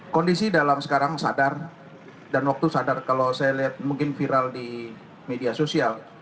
kondisi dalam sekarang sadar dan waktu sadar kalau saya lihat mungkin viral di media sosial